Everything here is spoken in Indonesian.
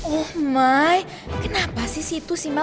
oh my kenapa sih situ simel